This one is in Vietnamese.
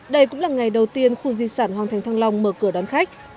đây cũng là ngày đầu tiên khu di sản hoàng thành thăng long mở cửa đón khách